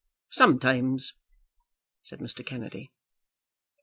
"Sometimes," said Mr. Kennedy.